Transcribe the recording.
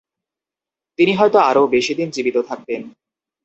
তিনি হয়তো আরও বেশিদিন জীবিত থাকতেন।